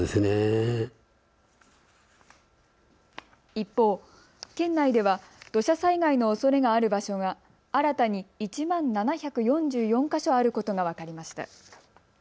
一方、県内では土砂災害のおそれがある場所が新たに１万７４４か所あることが分かりました。